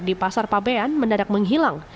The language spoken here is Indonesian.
di pasar pabean mendadak menghilang